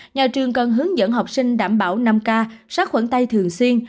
nhà trường cần hướng dẫn học sinh đảm bảo năm k sát khuẩn tay thường xuyên